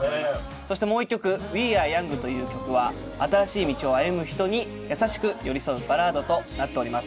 そしてもう１曲『Ｗｅａｒｅｙｏｕｎｇ』という曲は新しい道を歩む人に優しく寄り添うバラードとなっております。